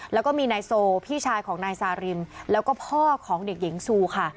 แล้วก็มีนายโซพี่ชายของนายซาริมแล้วก็พ่อของเด็กหญิงซูค่ะ